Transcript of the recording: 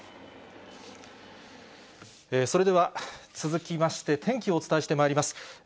それでは、続きまして、天気をお伝えしてまいります。